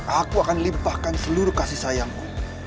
aku akan limpahkan seluruh kasih sayangku